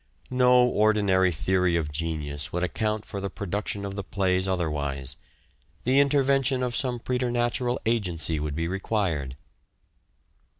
No ordinary theory of genius would account for the production of the plays otherwise ; the intervention of some preter natural agency would be required.